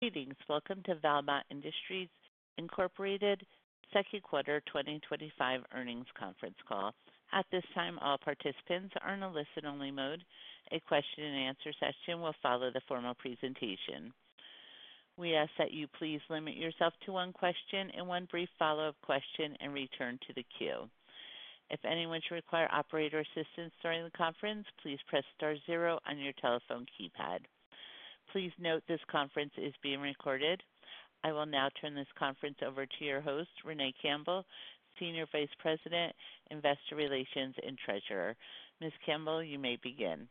Greetings. Welcome to Valmont Industries Incorporated Second Quarter twenty twenty five Earnings Conference Call. At this time, all participants are in a listen only mode. A question and answer session will follow the formal presentation. Please note this conference is being recorded. I will now turn this conference over to your host, Renee Campbell, Senior Vice President, Investor Relations and Treasurer. Ms. Campbell, you may begin.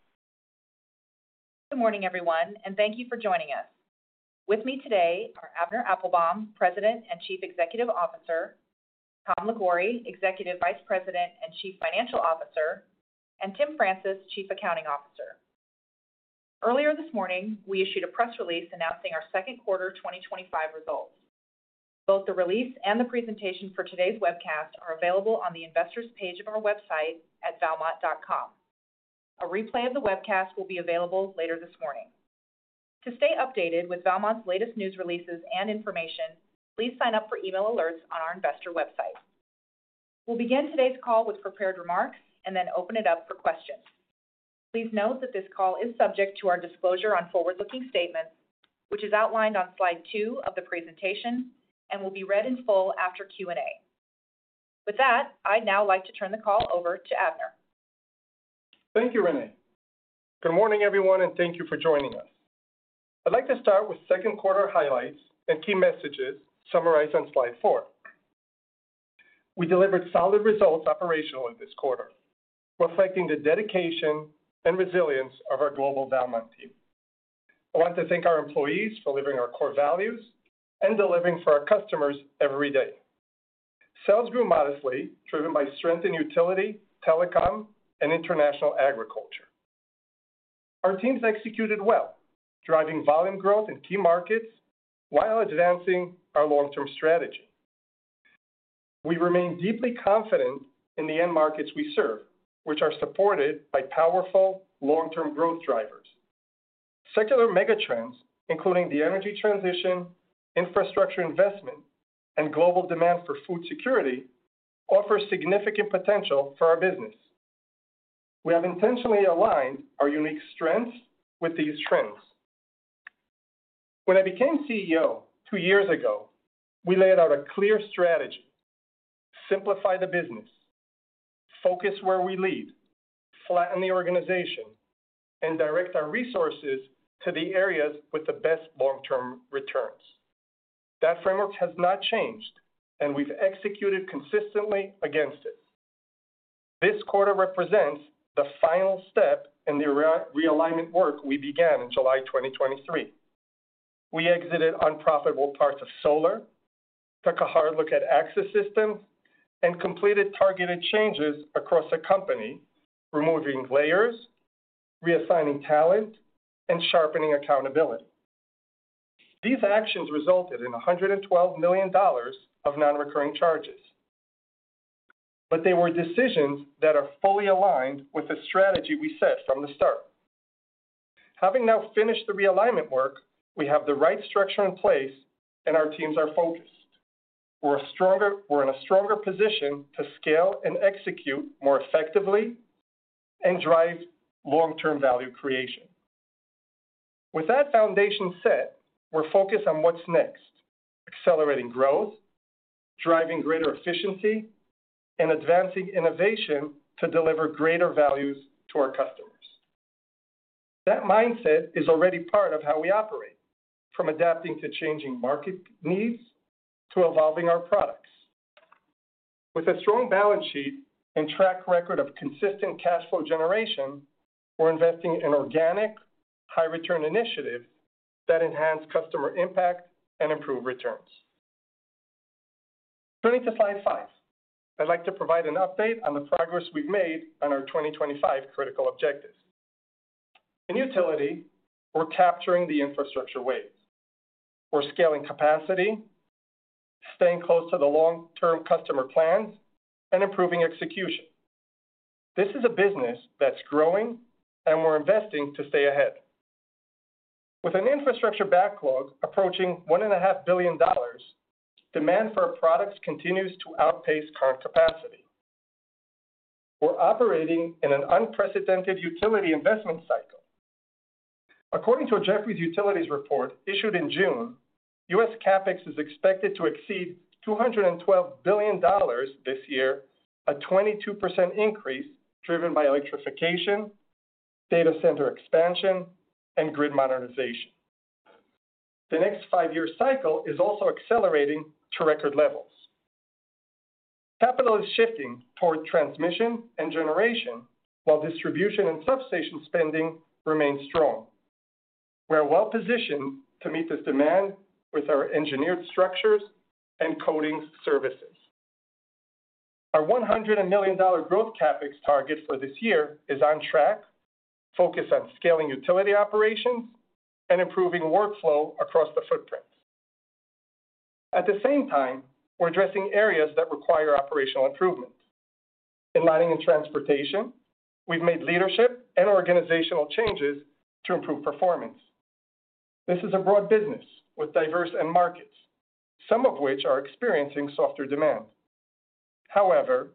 Good morning, everyone, and thank you for joining us. With me today are Abner Appelbaum, President and Chief Executive Officer Tom Legoury, Executive Vice President and Chief Financial Officer and Tim Francis, Chief Accounting Officer. Earlier this morning, we issued a press release announcing our second quarter twenty twenty five results. Both the release and the presentation for today's webcast are available on the Investors page of our website at valmont.com. A replay of the webcast will be available later this morning. To stay updated with Valmont's latest news releases and information, please sign up for email alerts on our investor website. We'll begin today's call with prepared remarks and then open it up for questions. Please note that this call is subject to our disclosure on forward looking statements, which is outlined on Slide two of the presentation and will be read in full after Q and A. With that, I'd now like to turn the call over to Abner. Thank you, Renee. Good morning, everyone, and thank you for joining us. I'd like to start with second quarter highlights and key messages summarized on slide four. We delivered solid results operationally this quarter, reflecting the dedication and resilience of our global Valmont team. I want to thank our employees for delivering our core values and delivering for our customers every day. Sales grew modestly driven by strength in utility, telecom, and international agriculture. Our teams executed well, driving volume growth in key markets while advancing our long term strategy. We remain deeply confident in the end markets we serve, which are supported by powerful long term growth drivers. Secular megatrends, including the energy transition, infrastructure investment, and global demand for food security, offer significant potential for our business. We have intentionally aligned our unique strengths with these trends. When I became CEO two years ago, we laid out a clear strategy, simplify the business, focus where we lead, flatten the organization, and direct our resources to the areas with the best long term returns. That framework has not changed, and we've executed consistently against it. This quarter represents the final step in the realignment work we began in July 2023. We exited unprofitable parts of solar, took a hard look at access systems, and completed targeted changes across the company, removing layers, reassigning talent, and sharpening accountability. These actions resulted in a $112,000,000 of nonrecurring charges, but they were decisions that are fully aligned with the strategy we set from the start. Having now finished the realignment work, we have the right structure in place, and our teams are focused. We're a stronger we're in a stronger position to scale and execute more effectively and drive long term value creation. With that foundation set, we're focused on what's next, accelerating growth, driving greater efficiency, and advancing innovation to deliver greater values to our customers. That mindset is already part of how we operate from adapting to changing market needs to evolving our products. With a strong balance sheet and track record of consistent cash flow generation, we're investing in organic, high return initiative that enhance customer impact and improve returns. Turning to slide five. I'd like to provide an update on the progress we've made on our twenty twenty five critical objectives. In utility, we're capturing the infrastructure wave. We're scaling capacity, staying close to the long term customer plans, and improving execution. This is a business that's growing, and we're investing to stay ahead. With an infrastructure backlog approaching 1 and a half billion dollars, demand for our products continues to outpace current capacity. We're operating in an unprecedented utility investment cycle. According to a Jefferies Utilities report issued in June, US CapEx is expected to exceed $212,000,000,000 this year, a 22% increase driven by electrification, data center expansion, and grid modernization. The next five year cycle is also accelerating to record levels. Capital is shifting toward transmission and generation, while distribution and substation spending remains strong. We are well positioned to meet this demand with our engineered structures and coatings services. Our $100,000,000 growth CapEx target for this year is on track, focused on scaling utility operations and improving workflow across the footprint. At the same time, we're addressing areas that require operational improvement. In lighting and transportation, we've made leadership and organizational changes to improve performance. This is a broad business with diverse end markets, some of which are experiencing softer demand. However,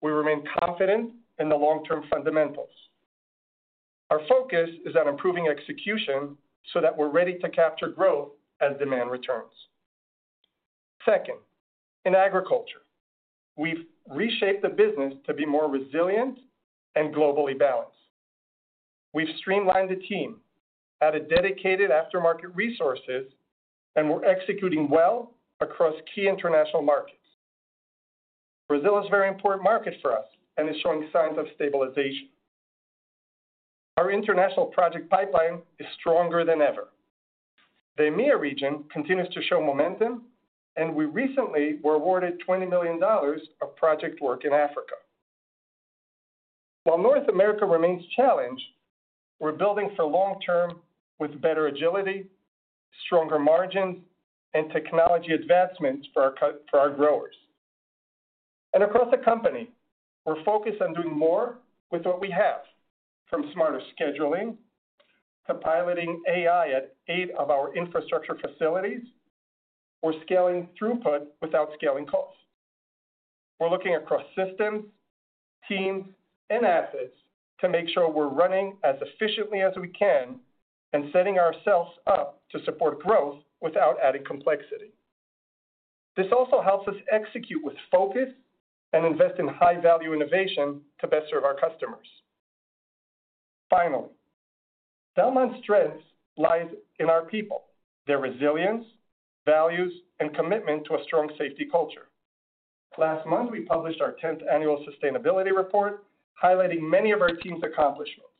we remain confident in the long term fundamentals. Our focus is on improving execution so that we're ready to capture growth as demand returns. Second, in agriculture, we've reshaped the business to be more resilient and globally balanced. We've streamlined the team, added dedicated aftermarket resources, and we're executing well across key international markets. Brazil is a very important market for us and is showing signs of stabilization. Our international project pipeline is stronger than ever. The EMEA region continues to show momentum, and we recently were awarded $20,000,000 of project work in Africa. While North America remains challenged, we're building for long term with better agility, stronger margins, and technology advancements for our for our growers. And across the company, we're focused on doing more with what we have, from smarter scheduling to piloting AI at eight of our infrastructure facilities or scaling throughput without scaling costs. We're looking across systems, teams, and assets to make sure we're running as efficiently as we can and setting ourselves up to support growth without adding complexity. This also helps us execute with focus and invest in high value innovation to best serve our customers. Finally, Delmont's strength lies in our people, their resilience, values, and commitment to a strong safety culture. Last month, we published our tenth annual sustainability report highlighting many of our team's accomplishments.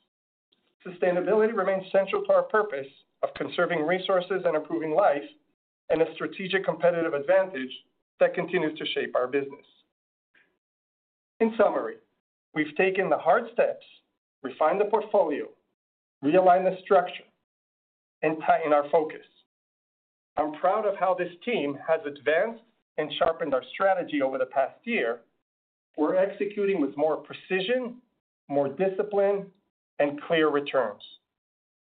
Sustainability remains central to our purpose of conserving resources and improving life and a strategic competitive advantage that continues to shape our business. In summary, we've taken the hard steps, refined the portfolio, realigned the structure, and tightened our focus. I'm proud of how this team has advanced and sharpened our strategy over the past year. We're executing with more precision, more discipline, and clear returns.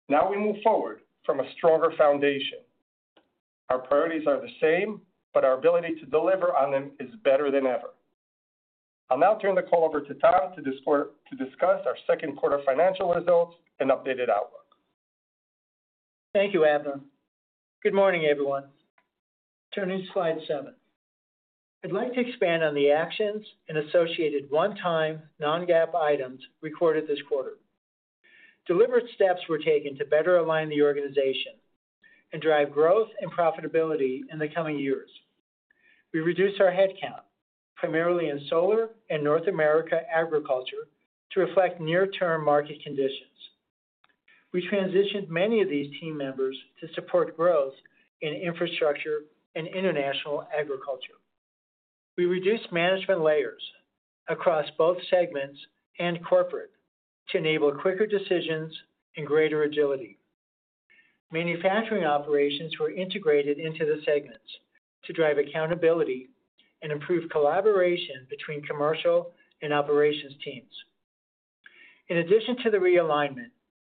Now we move forward from a stronger foundation. Our priorities are the same, but our ability to deliver on them is better than ever. I'll now turn the call over to Tom to discuss our second quarter financial results and updated outlook. Thank you, Adler. Good morning, everyone. Turning to Slide seven. I'd like to expand on the actions and associated onetime non GAAP items recorded this quarter. Deliberate steps were taken to better align the organization and drive growth and profitability in the coming years. We reduced our headcount primarily in Solar and North America agriculture to reflect near term market conditions. We transitioned many of these team members to support growth in infrastructure and international agriculture. We reduced management layers across both segments and corporate to enable quicker decisions and greater agility. Manufacturing operations were integrated into the segments to drive accountability and improve collaboration between commercial and operations teams. In addition to the realignment,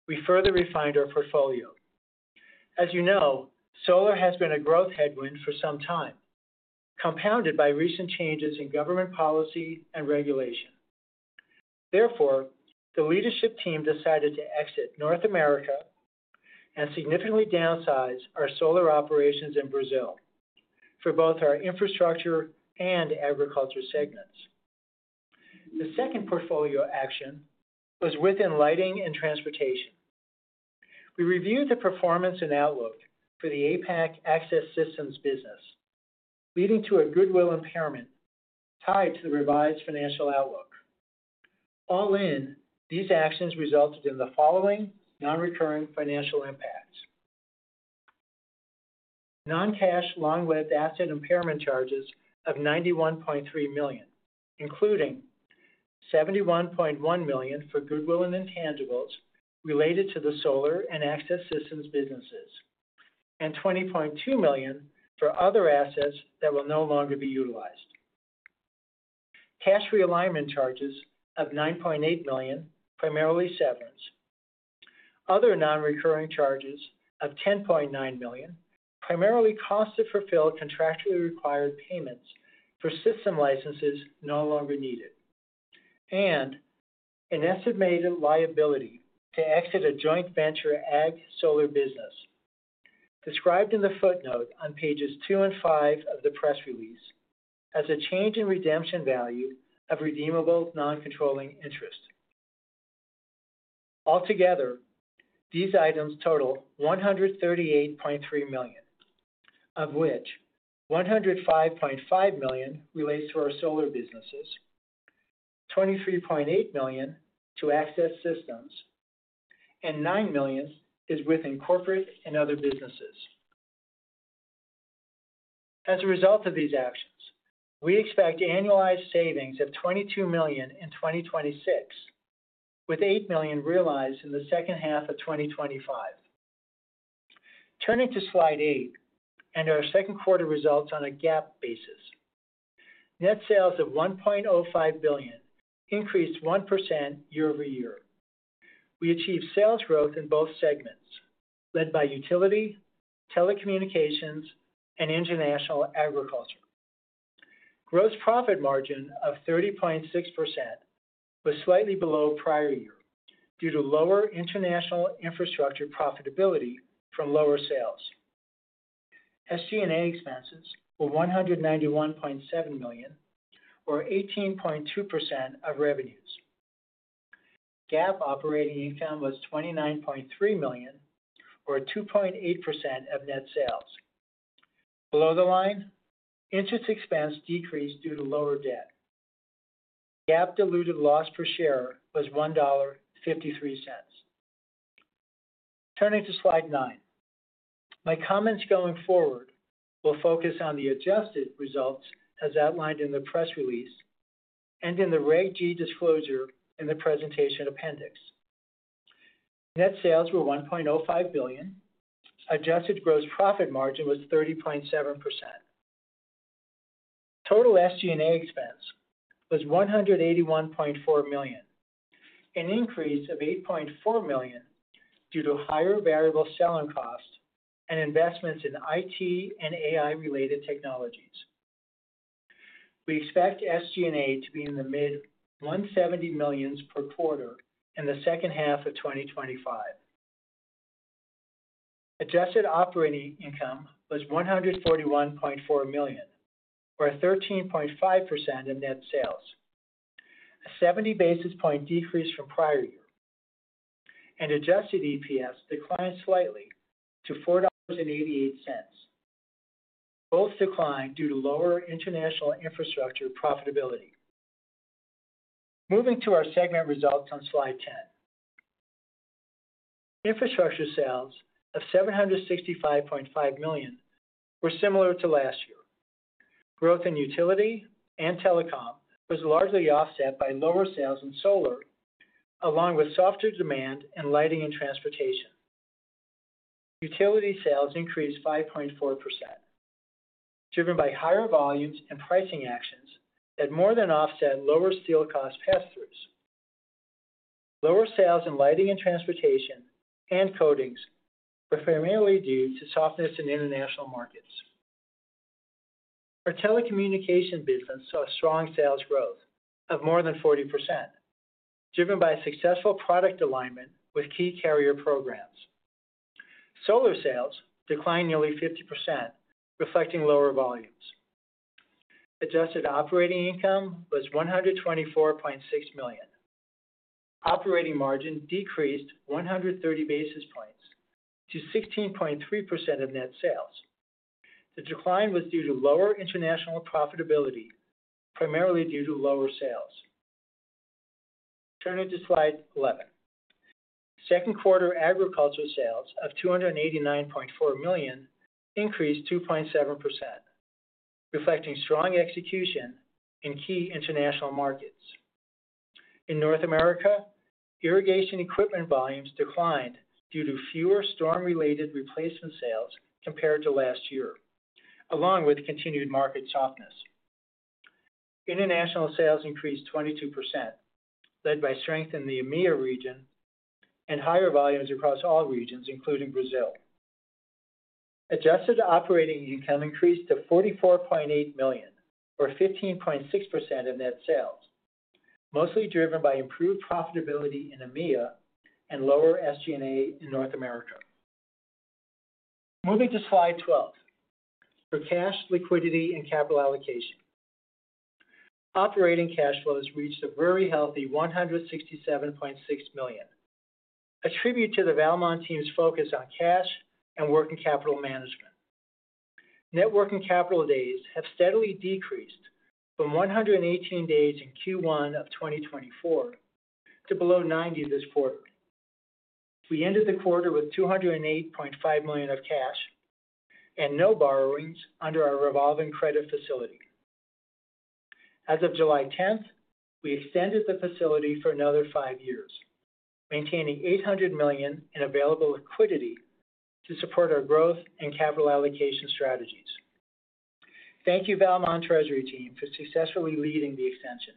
we further refined our portfolio. As you know, solar has been a growth headwind for some time, compounded by recent changes in government policy and regulation. Therefore, the leadership team decided to exit North America and significantly downsize our solar operations in Brazil for both our infrastructure and agriculture segments. The second portfolio action was within lighting and transportation. We reviewed the performance and outlook for the APAC access systems business, leading to a goodwill impairment tied to the revised financial outlook. All in, these actions resulted in the following nonrecurring financial impacts. Noncash long lived asset impairment charges of $91,300,000 including $71,100,000 for goodwill and intangibles related to the solar and access systems businesses and $20,200,000 for other assets that will no longer be utilized. Cash realignment charges of $9,800,000 primarily severance. Other nonrecurring charges of $10,900,000 primarily cost to fulfill contractually required payments for system licenses no longer needed and an estimated liability to exit a joint venture ag solar business, described in the footnote on pages two and five of the press release, as a change in redemption value of redeemable noncontrolling interest. Altogether, these items total 138,300,000.0, of which 105,500,000.0 relates to our solar businesses, 23,800,000.0 to access systems, and 9,000,000 is within corporate and other businesses. As a result of these actions, we expect annualized savings of $22,000,000 in 2026, with $8,000,000 realized in the second half of twenty twenty five. Turning to Slide eight and our second quarter results on a GAAP basis. Net sales of $1,050,000,000 increased 1% year over year. We achieved sales growth in both segments, led by utility, telecommunications and international agriculture. Gross profit margin of 30.6% was slightly below prior year due to lower international infrastructure profitability from lower sales. SG and A expenses were $191,700,000 or 18.2% of revenues. GAAP operating income was $29,300,000 or 2.8% of net sales. Below the line, interest expense decreased due to lower debt. GAAP diluted loss per share was $1.53 Turning to slide nine. My comments going forward will focus on the adjusted results as outlined in the press release and in the Reg G disclosure in the presentation appendix. Net sales were $1,050,000,000 Adjusted gross profit margin was 30.7%. Total SG and A expense was 181,400,000.0 an increase of 8,400,000.0 due to higher variable selling costs and investments in IT and AI related technologies. We expect SG and A to be in the mid $1.70 millions per quarter in the second half of twenty twenty five. Adjusted operating income was $141,400,000 or 13.5 percent of net sales, a 70 basis point decrease from prior year. And adjusted EPS declined slightly to $4.88 both declined due to lower international infrastructure profitability. Moving to our segment results on slide 10. Infrastructure sales of $765,500,000 were similar to last year. Growth in utility and telecom was largely offset by lower sales in solar, along with softer demand in lighting and transportation. Utility sales increased 5.4%, driven by higher volumes and pricing actions that more than offset lower steel cost pass throughs. Lower sales in lighting and transportation and coatings were primarily due to softness in international markets. Our telecommunications business saw strong sales growth of more than 40%, driven by successful product alignment with key carrier programs. Solar sales declined nearly 50%, reflecting lower volumes. Adjusted operating income was $124,600,000 Operating margin decreased 130 basis points to 16.3% of net sales. The decline was due to lower international profitability, primarily due to lower sales. Turning to Slide 11. Second quarter agriculture sales of 289,400,000.0 increased 2.7%, reflecting strong execution in key international markets. In North America, irrigation equipment volumes declined due to fewer storm related replacement sales compared to last year, along with continued market softness. International sales increased 22%, led by strength in the EMEA region and higher volumes across all regions, including Brazil. Adjusted operating income increased to $44,800,000 or 15.6% of net sales, mostly driven by improved profitability in EMEA and lower SG and A in North America. Moving to Slide 12 for cash, liquidity and capital allocation. Operating cash flows reached a very healthy 167,600,000.0 a tribute to the Valmont team's focus on cash and working capital management. Net working capital days have steadily decreased from one hundred and eighteen days in 2024 to below 90 this quarter. We ended the quarter with $208,500,000 of cash and no borrowings under our revolving credit facility. As of July 10, we extended the facility for another five years, maintaining $800,000,000 in available liquidity to support our growth and capital allocation strategies. Thank you, Valmont Treasury team, for successfully leading the extension.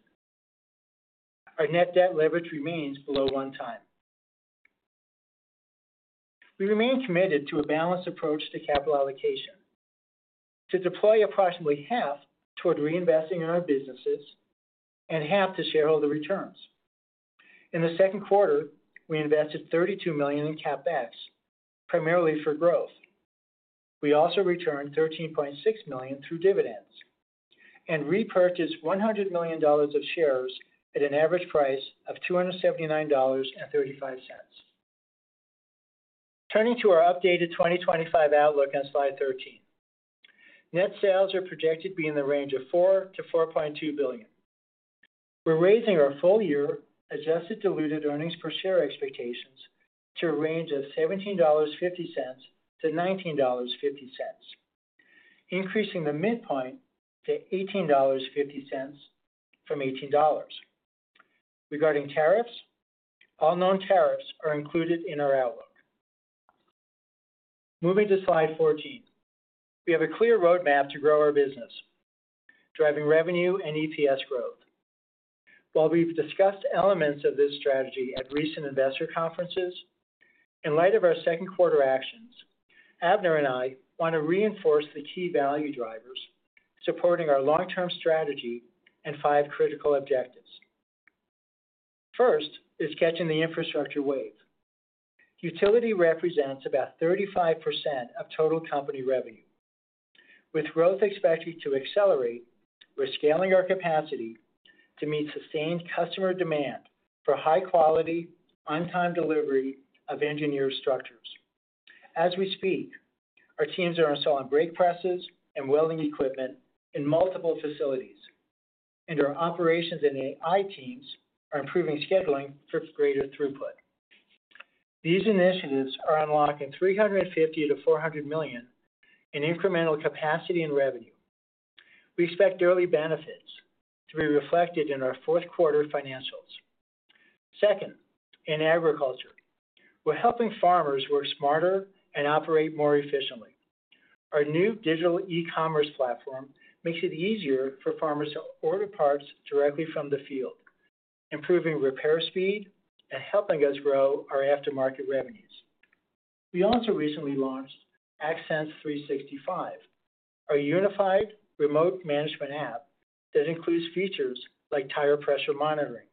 Our net debt leverage remains below onetime. We remain committed to a balanced approach to capital allocation, to deploy approximately half toward reinvesting in our businesses and half to shareholder returns. In the second quarter, we invested $32,000,000 in CapEx, primarily for growth. We also returned $13,600,000 through dividends and repurchased $100,000,000 of shares at an average price of $279.35 Turning to our updated 2025 outlook on Slide 13. Net sales are projected to be in the range of $4,000,000,000 to $4,200,000,000 We're raising our full year adjusted diluted earnings per share expectations to a range of $17.5 to $19.5 increasing the midpoint to $18.50 from $18. Regarding tariffs, all known tariffs are included in our outlook. Moving to Slide 14. We have a clear road map to grow our business, driving revenue and EPS growth. While we've discussed elements of this strategy at recent investor conferences, In light of our second quarter actions, Abner and I want to reinforce the key value drivers supporting our long term strategy and five critical objectives. First is catching the infrastructure wave. Utility represents about 35% of total company revenue. With growth expected to accelerate, we're scaling our capacity to meet sustained customer demand for high quality, on time delivery of engineered structures. As we speak, our teams are installing brake presses and welding equipment in multiple facilities, and our operations and AI teams are improving scheduling for greater throughput. These initiatives are unlocking 350 to 400,000,000 in incremental capacity and revenue. We expect early benefits to be reflected in our fourth quarter financials. Second, in agriculture. We're helping farmers work smarter and operate more efficiently. Our new digital ecommerce platform makes it easier for farmers to order parts directly from the field, improving repair speed and helping us grow our aftermarket revenues. We also recently launched Accent three sixty five, our unified remote management app that includes features like tire pressure monitoring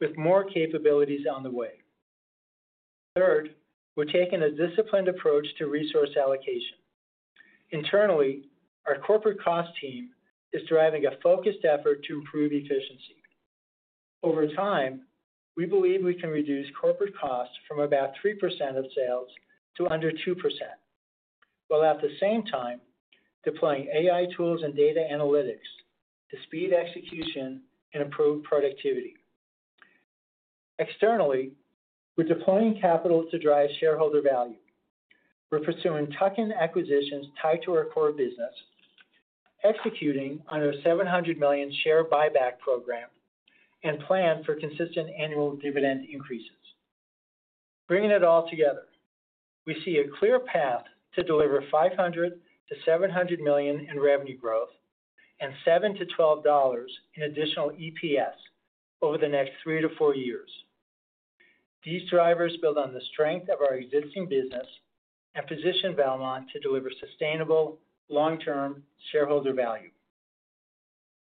with more capabilities on the way. Third, we're taking a disciplined approach to resource allocation. Internally, our corporate cost team is driving a focused effort to improve efficiency. Over time, we believe we can reduce corporate costs from about 3% of sales to under 2%, while at the same time deploying AI tools and data analytics to speed execution and improve productivity. Externally, we're deploying capital to drive shareholder value. We're pursuing tuck in acquisitions tied to our core business, executing on our 700,000,000 share buyback program, and plan for consistent annual dividend increases. Bringing it all together, we see a clear path to deliver 500 to 700,000,000 in revenue growth and $7 to $12 in additional EPS over the next three to four years. These drivers build on the strength of our existing business and position Valmont to deliver sustainable long term shareholder value.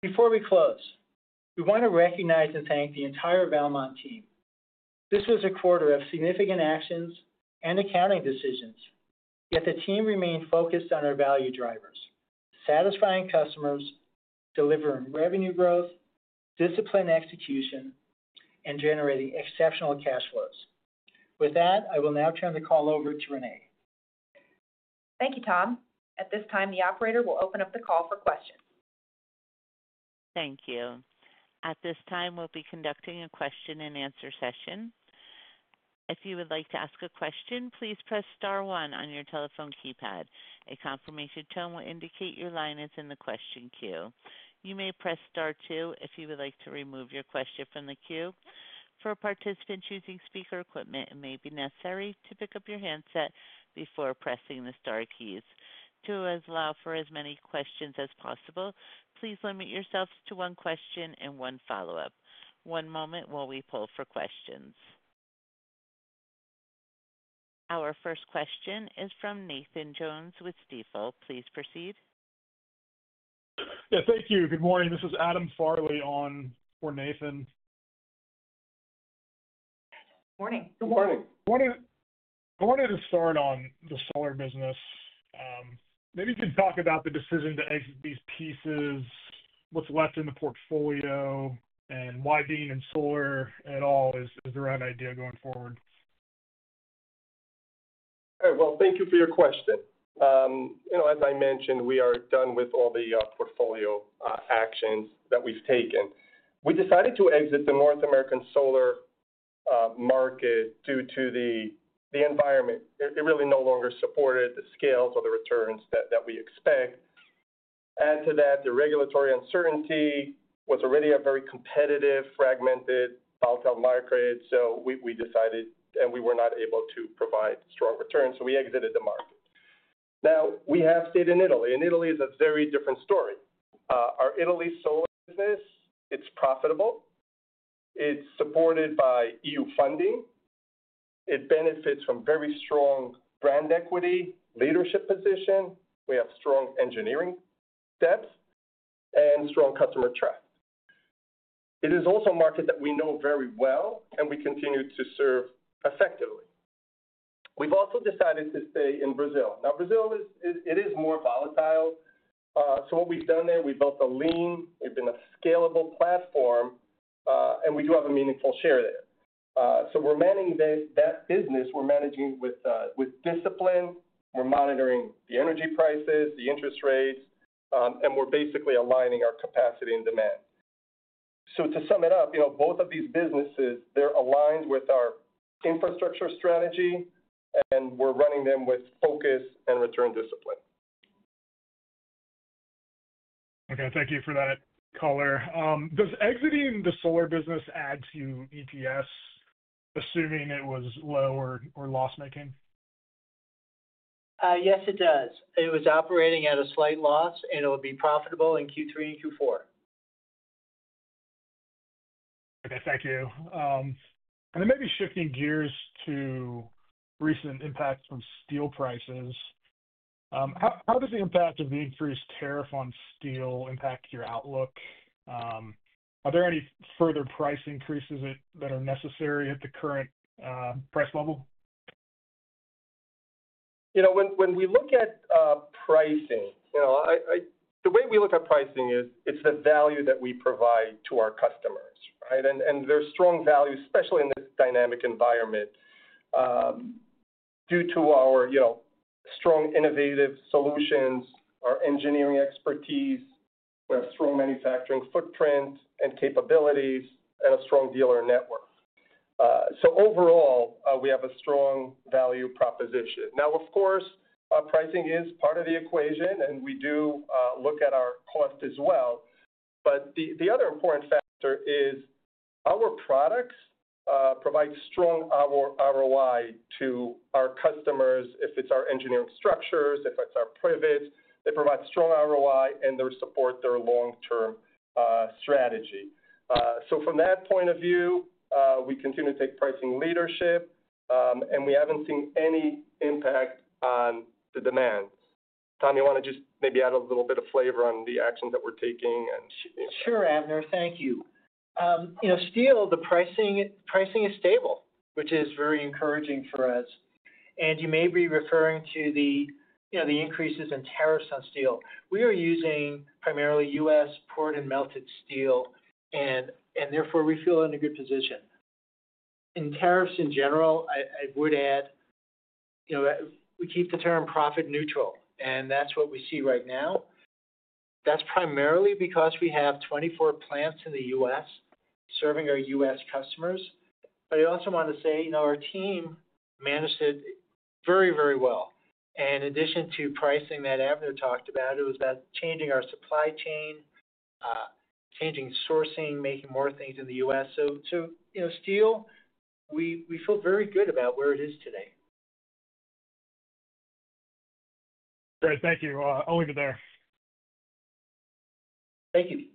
Before we close, we wanna recognize and thank the entire Valmont team. This was a quarter of significant actions and accounting decisions, yet the team remained focused on our value drivers, satisfying customers, delivering revenue growth, disciplined execution, and generating exceptional cash flows. With that, I will now turn the call over to Renee. Thank you, Tom. At this time, the operator will open up the call for questions. Thank you. At this time, we'll be conducting a question and answer session. You may press two if you would like to remove your question from the queue. For a participant choosing speaker equipment, it may be necessary to pick up your handset before pressing the star keys. To allow for as many questions as possible, Our first question is from Nathan Jones with Stifel. Please proceed. Yes. Thank you. Good morning. This is Adam Farley on for Nathan. Good morning. Good morning. I wanted to start on the solar business. Maybe you can talk about the decision to exit these pieces, what's left in the portfolio, and why being in solar at all is is the right idea going forward. Well, thank you for your question. You know, as I mentioned, we are done with all the portfolio, actions that we've taken. We decided to exit the North American solar market due to the the environment. It it really no longer supported the scales of the returns that that we expect. Add to that, the regulatory uncertainty was already a very competitive, fragmented volatile market. So we we decided and we were not able to provide strong returns, so we exited the market. Now we have stayed in Italy, and Italy is a very different story. Our Italy sold business, it's profitable. It's supported by EU funding. It benefits from very strong brand equity, leadership position. We have strong engineering debts and strong customer track. It is also a market that we know very well, and we continue to serve effectively. We've also decided to stay in Brazil. Now Brazil is it it is more volatile. So what we've done there, we built a lean. We've been a scalable platform, and we do have a meaningful share there. So we're manning that that business. We're managing with, with discipline. We're monitoring the energy prices, the interest rates, and we're basically aligning our capacity and demand. So to sum it up, you know, both of these businesses, they're aligned with our infrastructure strategy, and we're running them with focus and return discipline. Okay. Thank you for that color. Does exiting the solar business add to EPS, assuming it was lower or loss making? Yes. It does. It was operating at a slight loss, and it will be profitable in q three and q four. Okay. Thank you. And then maybe shifting gears to recent impacts from steel prices. How how does the impact of the increased tariff on steel impact your outlook? Are there any further price increases that that are necessary at the current, price level? You know, when when we look at, pricing, you know, I I the way we look at pricing is it's the value that we provide to our customers. Right? And and there's strong value, especially in this dynamic environment due to our, you know, strong innovative solutions, our engineering expertise, we have strong manufacturing footprint and capabilities, and a strong dealer network. So overall, we have a strong value proposition. Now, of course, pricing is part of the equation, and we do look at our cost as well. But the the other important factor is our products provide strong ROI to our customers if it's our engineering structures, if it's our private, they provide strong ROI and their support their long term strategy. So from that point of view, we continue to take pricing leadership, and we haven't seen any impact on the demand. Tom, you wanna just maybe add a little bit of flavor on the actions that we're taking and Sure, Abner. Thank you. You know, steel, the pricing pricing is stable, which is very encouraging for us. And you may be referring to the, you know, the increases in tariffs on steel. We are using primarily US poured and melted steel, and and therefore, we feel in a good position. In tariffs, in general, I I would add, you know, we keep the term profit neutral, and that's what we see right now. That's primarily because we have 24 plants in The US serving our US customers. But I also wanna say, you know, our team managed it very, very well. In addition to pricing that Avner talked about, it was about changing our supply chain, changing sourcing, making more things in The US. So to, you know, steel, we we feel very good about where it is today. Great. Thank you. I'll leave it there. Thank you.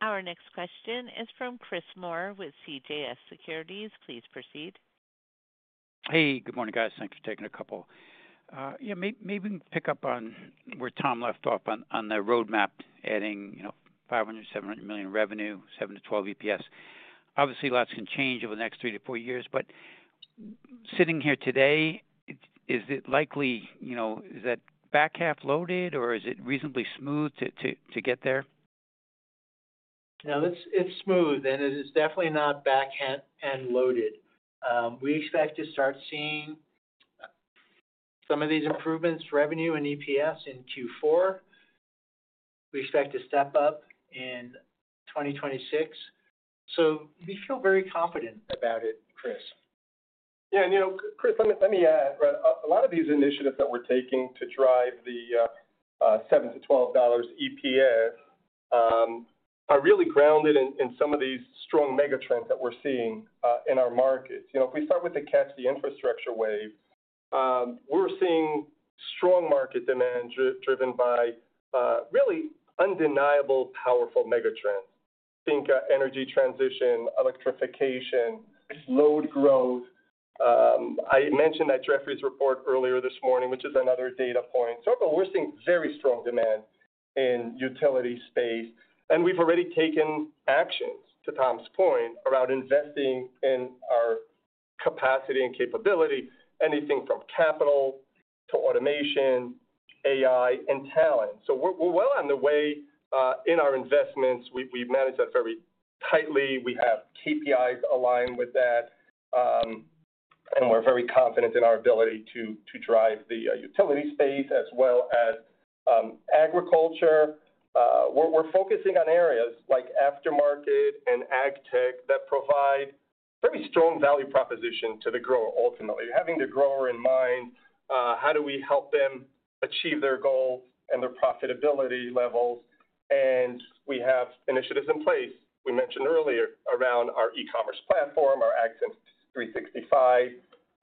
Our next question is from Chris Moore with CJS Securities. Please proceed. Hey, good morning, guys. Thanks for taking a couple. Yes, maybe we can pick up on where Tom left off on on the road map, adding, you know, $507,100,000,000 revenue, seven to 12 EPS. Obviously, lots can change over the next three to four years. But sitting here today, is it likely you know, is that back half loaded, or is it reasonably smooth to to to get there? No. It's it's smooth, and it is definitely not back end end loaded. We expect to start seeing some of these improvements revenue and EPS in q four. We expect to step up in 2026. So we feel very confident about it, Chris. Yeah. And, you know, Chris, let me let me add. Right? A lot of these initiatives that we're taking to drive the, 7 to $12 EPS, are really grounded in in some of these strong megatrends that seeing, in our markets. You know, if we start with the catch the infrastructure wave, we're seeing strong market demand driven by, really undeniable powerful megatrends. Think energy transition, electrification, load growth. I mentioned that Jeffrey's report earlier this morning, which is another data point. So but we're seeing very strong demand in utility space, and we've already taken actions, to Tom's point, around investing in our capacity and capability, anything from capital to automation, AI, and talent. So we're we're well on the way, in our investments. We've we've managed that very tightly. We have KPIs aligned with that, and we're very confident in our ability to to drive the utility space as well as, agriculture. We're we're focusing on areas like aftermarket and ag that provide very strong value proposition to the grower ultimately. Having the grower in mind, how do we help them achieve their goals and their profitability levels? And we have initiatives in place, We mentioned earlier around our ecommerce platform, our Accent three sixty five,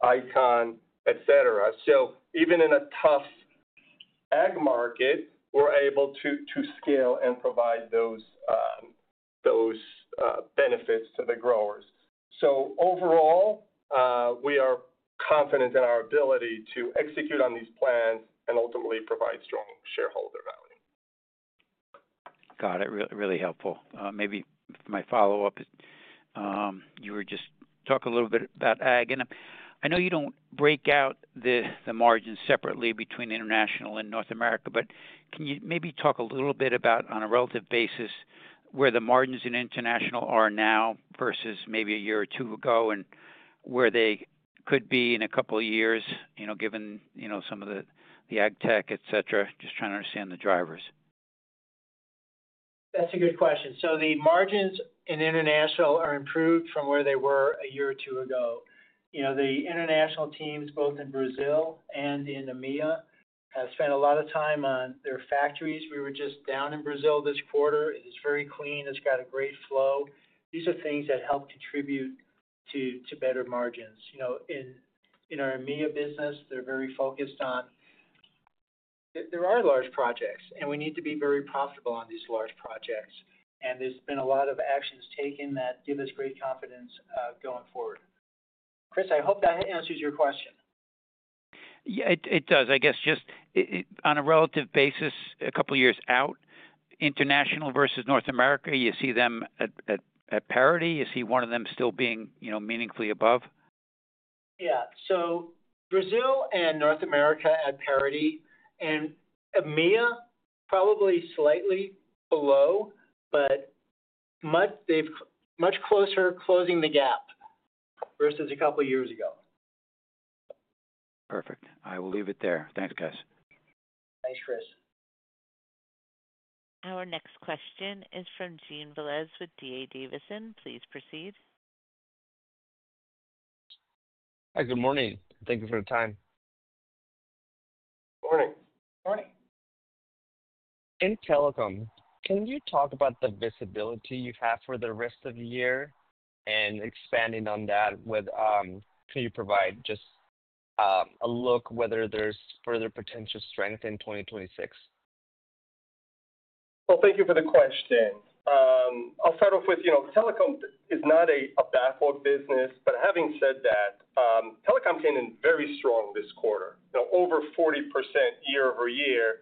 Icon, etcetera. So even in a tough ag market, we're able to to scale and provide those those benefits to the growers. So overall, we are confident in our ability to execute on these plans and ultimately provide strong shareholder value. Got it. Really helpful. Maybe my follow-up is, you were just talk a little bit about ag. And I know you don't break out the the margins separately between international and North America, but can you maybe talk a little bit about, on a relative basis, where the margins in international are now versus maybe a year or two ago? And where they could be in a couple of years, given some of the ag tech, etcetera? Just trying to understand the drivers. That's a good question. So the margins in international are improved from where they were a year or two ago. You know, the international teams both in Brazil and in EMEA have spent a lot of time on their factories. We were just down in Brazil this quarter. It's very clean. It's got a great flow. These are things that help contribute to to better margins. You know, in in our EMEA business, they're very focused on there are large projects, and we need to be very profitable on these large projects. And there's been a lot of actions taken that give us great confidence, going forward. Chris, I hope that answers your question. Yeah. It it does. I guess just on a relative basis, a couple years out, international versus North America, you see them at at at parity? You see one of them still being, you know, meaningfully above? Yeah. So Brazil and North America at parity. And EMEA, probably slightly below, but much they've much closer closing the gap versus a couple years ago. Perfect. I will leave it there. Thanks, guys. Thanks, Chris. Our next question is from Gene Velez with DA Davidson. Please proceed. Hi, good morning. Thank you for your time. Good morning. Good morning. In telecom, can you talk about the visibility you have for the rest of the year? And expanding on that with can you provide just a look whether there's further potential strength in 2026? Well, thank you for the question. I'll start off with, you know, telecom is not a a backlog business. But having said that, telecom came in very strong this quarter, over 40% year over year.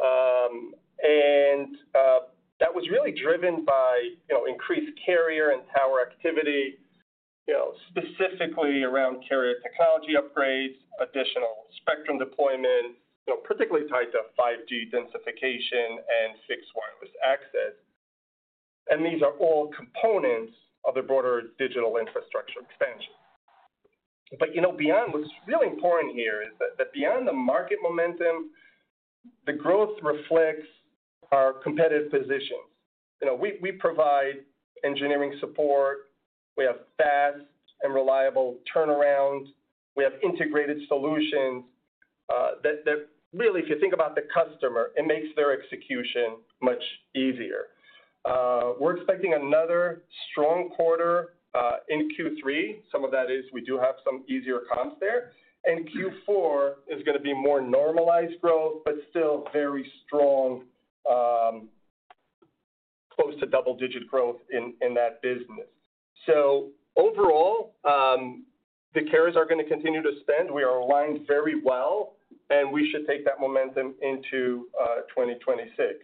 And that was really driven by, you know, increased carrier and tower activity, you know, specifically around carrier technology upgrades, additional spectrum deployment, you know, particularly tied to five g densification and fixed wireless access. And these are all components of the broader digital infrastructure expansion. But, you know, beyond what's really important here is that that beyond the market momentum, the growth reflects our competitive position. You know, we we provide engineering support. We have fast and reliable turnaround. We have integrated solutions, that that really, if you think about the customer, it makes their execution much easier. We're expecting another strong quarter, in q three. Some of that is we do have some easier comps there. And q four is gonna be more normalized growth, but still very strong, close to double digit growth in in that business. So overall, the carriers are gonna continue to spend. We are aligned very well, and we should take that momentum into, 2026.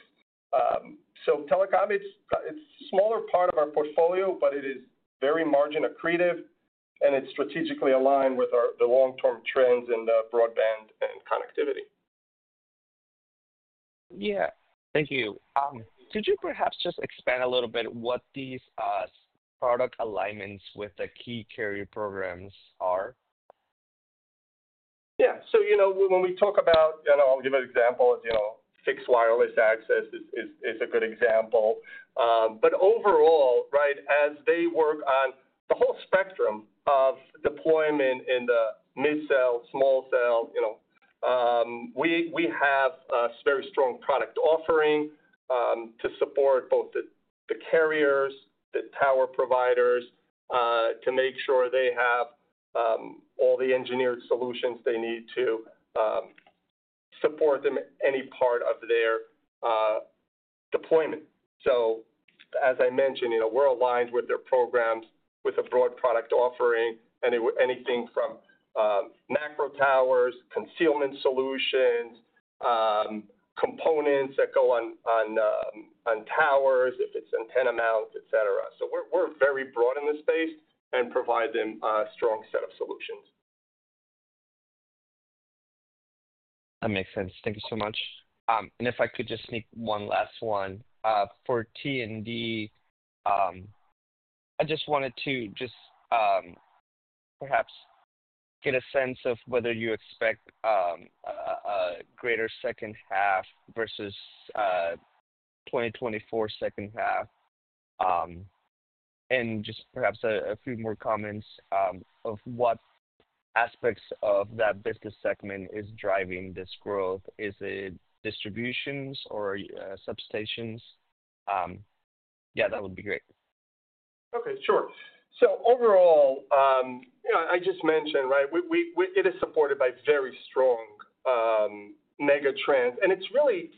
So telecom, it's it's smaller part of our portfolio, but it is very margin accretive, and it's strategically aligned with our the long term trends in the broadband and connectivity. Yeah. Thank you. Could you perhaps just expand a little bit what these, product alignments with the key carrier programs are? Yeah. So, you know, when when we talk about you know, I'll give an example, you know, fixed wireless access is is is a good example. But overall, right, as they work on the whole spectrum of deployment in the mid cell, small cell, you know. We we have a very strong product offering, to support both the the carriers, the tower providers, to make sure they have all the engineered solutions they need to support them in any part of their deployment. So as I mentioned, you know, we're aligned with their programs with a broad product offering, and it would anything from macro towers, concealment solutions, components that go on on on towers, if it's antenna mount, etcetera. So we're we're very broad in this space and provide them a strong set of solutions. That makes sense. Thank you so much. And if I could just sneak one last one. For t and d, I just wanted to just perhaps get a sense of whether you expect greater second half versus twenty twenty four second half and just perhaps a a few more comments, of what aspects of that business segment is driving this growth. Is it distributions or, substations? Yeah. That would be great. Okay. Sure. So overall, you know, I just mentioned. Right? We we we it is supported by very strong, megatrend, and it's really,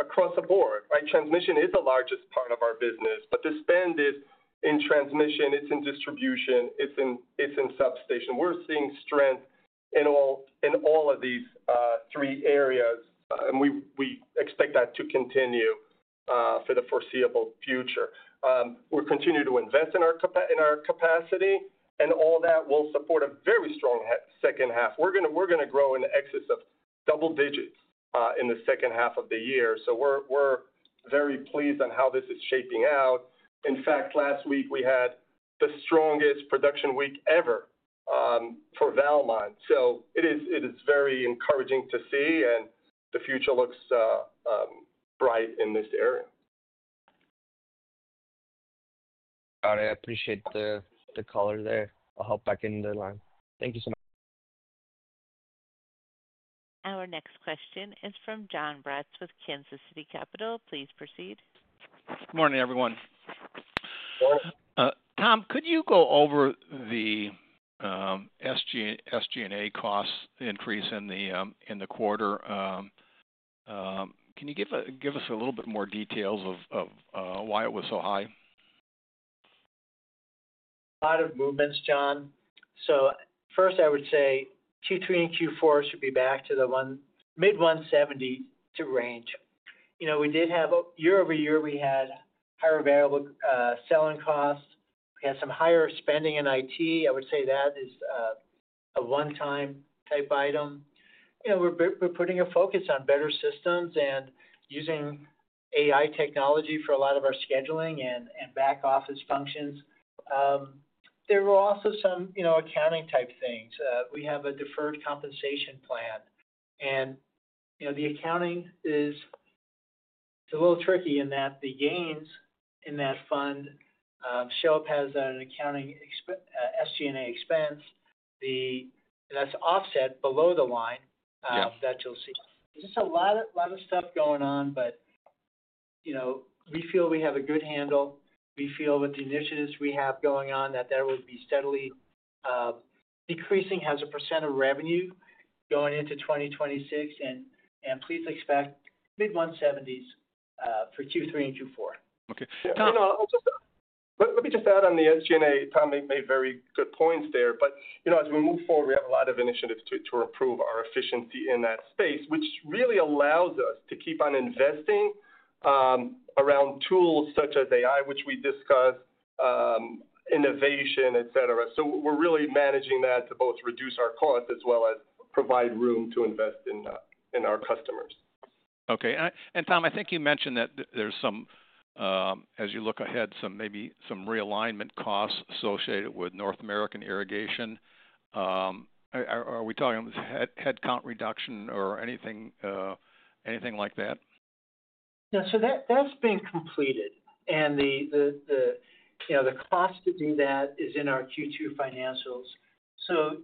across the board. Right? Transmission is the largest part of our business, but the spend is in transmission. It's in distribution. It's in it's in substation. We're seeing strength in all in all of these, three areas, and we we expect that to continue, for the foreseeable future. We'll continue to invest in our in our capacity, and all that will support a very strong second half. We're gonna we're gonna grow in excess of double digits, in the second half of the year. So we're we're very pleased on how this is shaping out. In fact, last week, we had the strongest production week ever, for Valmont. So it is it is very encouraging to see, and the future looks bright in this area. Got it. I appreciate the the color there. I'll hop back in the line. Thank you so Our next question is from John Bratz with Kansas City Capital. Please proceed. Good morning, everyone. Good morning. Tom, could you go over the s g s g and a cost increase in the, in the quarter? Can you give a give us a little bit more details of of, why it was so high? Out of movements, John. So first, I would say q three and q four should be back to the 1 mid one seventy to range. You know, we did have a year over year, we had higher available, selling cost. And some higher spending in IT. I would say that is a one time type item. You know, we're we're putting a focus on better systems and using AI technology for a lot of our scheduling and and back office functions. There were also some, you know, accounting type things. We have a deferred compensation plan. And, you know, the accounting is it's a little tricky in that the gains in that fund show up as an accounting ex s g and a expense. The that's offset below the line Yep. That you'll see. There's just a lot of lot of stuff going on, but, you know, we feel we have a good handle. We feel with the initiatives we have going on that there would be steadily decreasing as a percent of revenue going into 2026, and and please expect mid '1 seventies for q three and q four. Okay. Yeah. You know, I'll just let let me just add on the SG and A. Tom made made very good points there. But, you know, as we move forward, we have a lot of initiatives to to improve our efficiency in that space, which really allows us to keep on investing around tools such as AI, which we discussed, innovation, etcetera. So we're really managing that to both reduce our cost as well as provide room to invest in in our customers. Okay. And, Tom, I think you mentioned that there's some, as you look ahead, some maybe some realignment costs associated with North American irrigation. Are are we talking head headcount reduction or anything, anything like that? Yeah. So that that's been completed. And the the the, you know, the cost to do that is in our q two financials. So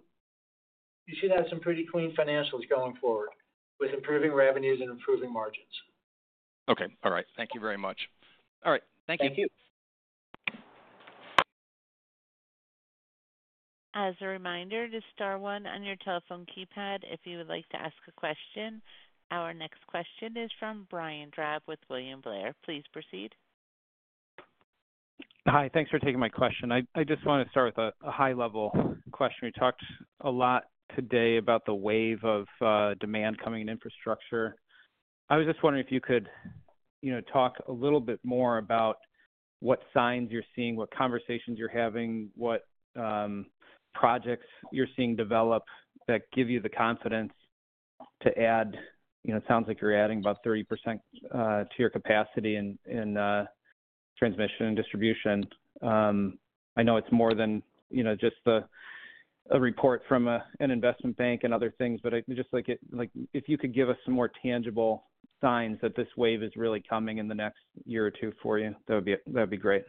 you should have some pretty clean financials going forward with improving revenues and improving margins. Okay. Alright. Thank you very much. Alright. Thank you. Thank you. Our next question is from Brian Drab with William Blair. I just want to start with a high level question. We talked a lot today about the wave of demand coming in infrastructure. I was just wondering if you could, you know, talk a little bit more about what signs you're seeing, what conversations you're having, what projects you're seeing develop that give you the confidence to add you know, it sounds like you're adding about 30% to your capacity in in transmission and distribution. I know it's more than, you know, just a report from an investment bank and other things, but I just like a like, if you could give us some more tangible signs that this wave is really coming in the next year or two for you, that would be that would be great.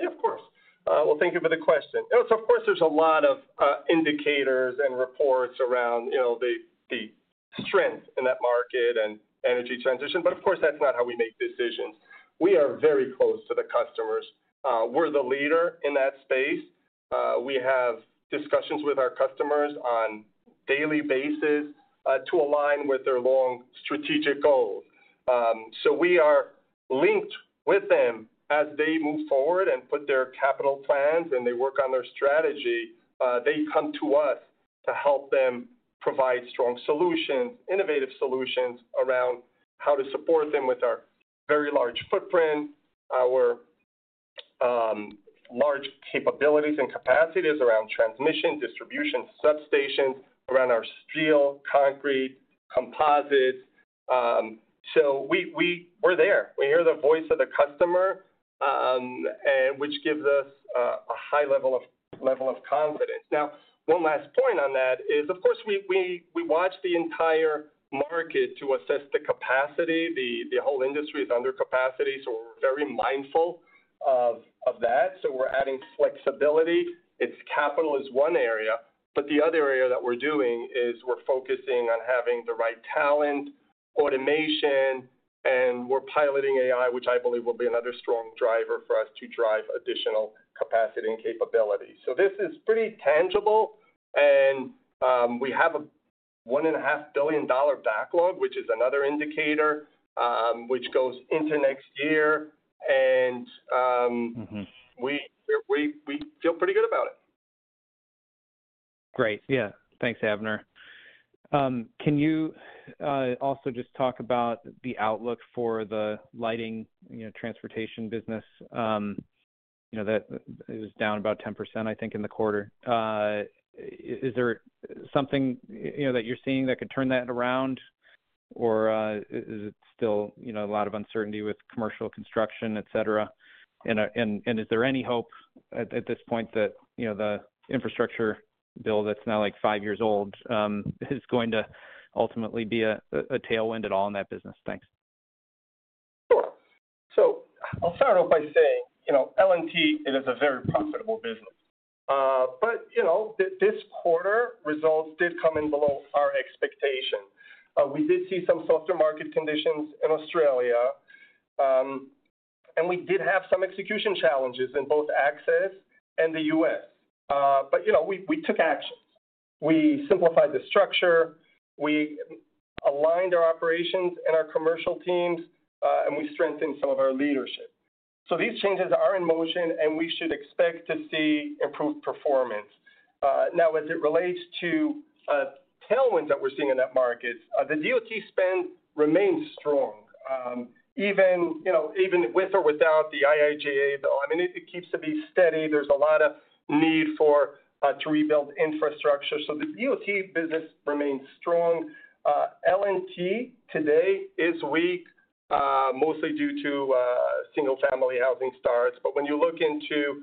Yeah. Of course. Well, thank you for the question. And, course, there's a lot of, indicators and reports around, you know, the the strength in that market and energy transition. But, of course, that's not how we make decisions. We are very close to the customers. We're the leader in that space. We have discussions with our customers on daily basis to align with their long strategic goals. So we are linked with them as they move forward and put their capital plans and they work on their strategy. They come to us to help them provide strong solutions, innovative solutions around how to support them with our very large footprint, our, large capabilities and capacities around transmission, distribution, substation, around our steel, concrete, composite. So we we we're there. We hear the voice of the customer, which gives us a high level of level of confidence. Now one last point on that is, of course, we we we watch the entire market to assess the capacity. The the whole industry is under capacity, so we're very mindful of of that. So we're adding flexibility. It's capital is one area, But the other area that we're doing is we're focusing on having the right talent, automation, and we're piloting AI, which I believe will be another strong driver for us to drive additional capacity and capability. So this is pretty tangible, and, we have a 1 and a half billion dollar backlog, which is another indicator, which goes into next year. And Mhmm. We we we feel pretty good about it. Great. Yeah. Thanks, Avner. Can you, also just talk about the outlook for the lighting, you know, transportation business? You know, that it was down about 10%, I think, in the quarter. Is there something, you know, that you're seeing that could turn that around, or is it still, you know, a lot of uncertainty with commercial construction, etcetera? And and and is there any hope at at this point that, you know, the infrastructure bill that's now, like, five years old, is going to ultimately be a a tailwind at all in that business? Thanks. Sure. So I'll start off by saying, you know, L and T, it is a very profitable business. But, you know, this quarter results did come in below our expectation. We did see some softer market conditions in Australia, and we did have some execution challenges in both access and The US. But, you know, we we took actions. We simplified the structure. We aligned our operations and our commercial teams, and we strengthened some of our leadership. So these changes are in motion, and we should expect to see improved performance. Now as it relates to, tailwinds that we're seeing in that market, the DOT spend remains strong. Even, you know, even with or without the IIJA, though, I mean, it it keeps to be steady. There's a lot of need for, to rebuild infrastructure. So the DOT business remains strong. L and T today is weak, mostly due to single family housing starts. But when you look into,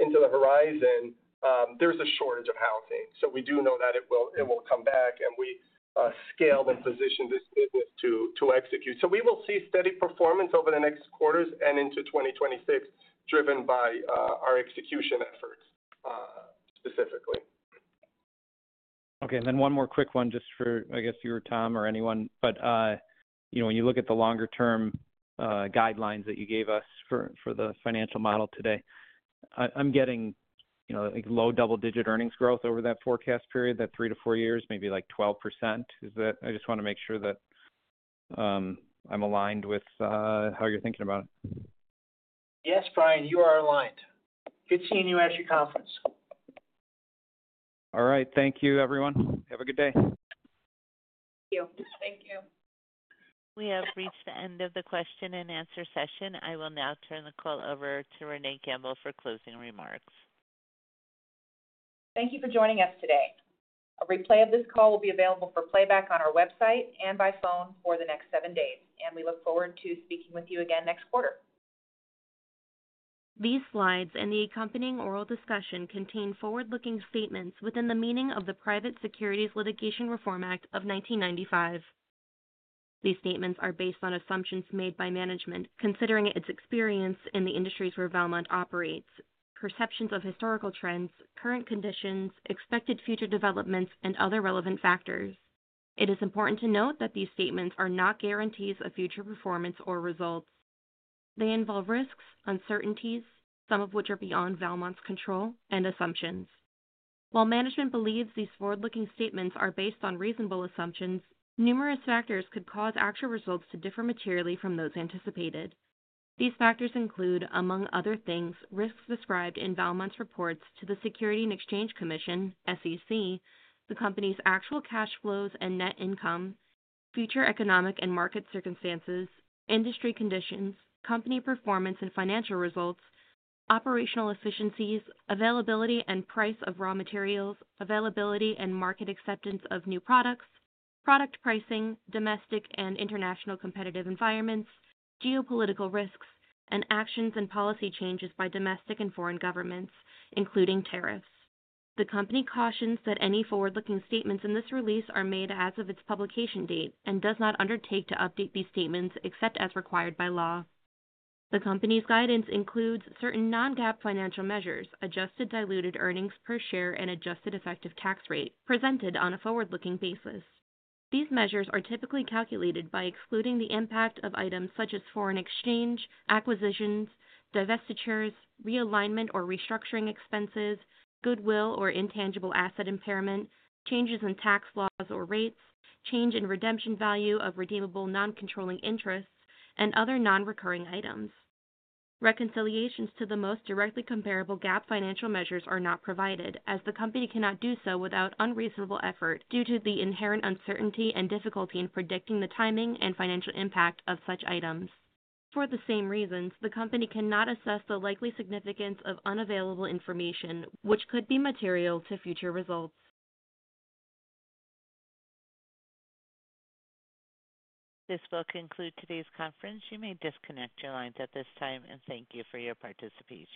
into the horizon, there's a shortage of housing. So we do know that it will it will come back, and we scale the position this business to to execute. So we will see steady performance over the next quarters and into 2026 driven by, our execution efforts, specifically. Okay. And then one more quick one just for, I guess, you or Tom or anyone. But, you know, when you look at the longer term, guidelines that you gave us for for the financial model today, I I'm getting, know, like, low double digit earnings growth over that forecast period, that three to four years, maybe, like, 12%. Is that I just wanna make sure that, I'm aligned with, how you're thinking about it. Yes, Brian. You are aligned. Good seeing you at your conference. All right. Thank you, everyone. Have a good day. Thank We have reached the end of the question and answer session. I will now turn the call over to Renee Gamble for closing remarks. Thank you for joining us today. A replay of this call will be available for playback on our website and by phone for the next seven days, and we look forward to speaking with you again next quarter. These slides and the accompanying oral discussion contain forward looking statements within the meaning of the Private Securities Litigation Reform Act of 1995. These statements are based on assumptions made by management considering its experience in the industries where Valmont operates, perceptions of historical trends, current conditions, expected future developments, and other relevant factors. It is important to note that these statements are not guarantees of future performance or results. They involve risks, uncertainties, some of which are beyond Valmont's control, and assumptions. While management believes these forward looking statements are based on reasonable assumptions, numerous factors could cause actual results to differ materially from those anticipated. These factors include, among other things, risks described in Valmont's reports to the Securities and Exchange Commission the company's actual cash flows and net income future economic and market circumstances industry conditions company performance and financial results, operational efficiencies, availability and price of raw materials, availability and market acceptance of new products, product pricing, domestic and international competitive environments, geopolitical risks, and actions and policy changes by domestic and foreign governments, including tariffs. The company cautions that any forward looking statements in this release are made as of its publication date and does not undertake to update these statements except as required by law. The company's guidance includes certain non GAAP financial measures, adjusted diluted earnings per share and adjusted effective tax rate, presented on a forward looking basis. These measures are typically calculated by excluding the impact of items such as foreign exchange, acquisitions, divestitures, realignment or restructuring expenses, goodwill or intangible asset impairment, changes in tax laws or rates, change in redemption value of redeemable noncontrolling interests, and other nonrecurring items. Reconciliations to the most directly comparable GAAP financial measures are not provided as the company cannot do so without unreasonable effort due to the inherent uncertainty and difficulty in predicting the timing and financial impact of such items. For the same reasons, the company cannot assess the likely significance of unavailable information, which could be material to future results. This will conclude today's conference. You may disconnect your lines at this time, and thank you for your participation.